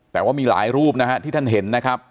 แต่ว่ามีหลายรูปที่ท่านเห็น